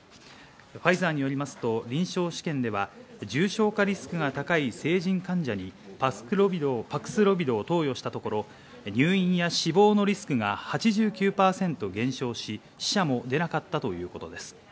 ファイザーによりますと、臨床試験では重症化リスクが高い成人患者にパクスロビドを投与したところ、入院や死亡のリスクが８９％減少し、死者も出なかったということです。